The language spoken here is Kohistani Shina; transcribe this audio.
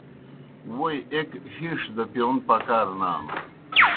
ووئی ایْک ہِیݜ دہ پِیون پکار نانوْ۔